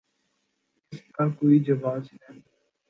اس کا کوئی جواز ہے؟